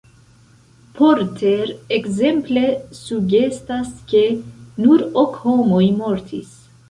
Porter ekzemple sugestas, ke nur ok homoj mortis.